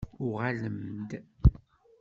Uɣalem-d!